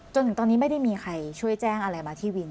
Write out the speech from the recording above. จนถึงตอนนี้ไม่ได้มีใครช่วยแจ้งอะไรมาที่วิน